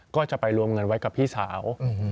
ก็จะไปรวมเงินไว้กับพี่สาว